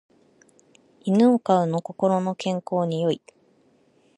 犬を飼うの心の健康に良い